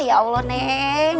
ya allah neng